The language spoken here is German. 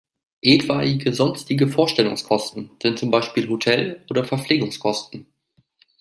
Etwaige sonstige Vorstellungskosten sind zum Beispiel Hotel- oder Verpflegungskosten.